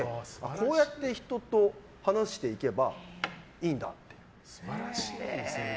こうやって人と話していけばいいんだって。